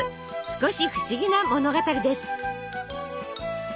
少し不思議な物語です。